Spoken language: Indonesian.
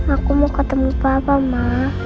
aku mau ketemu papa ma